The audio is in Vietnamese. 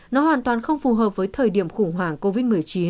nó hoàn toàn không phù hợp với thời điểm khủng hoảng covid một mươi chín